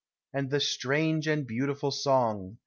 And the strange and beautiful song.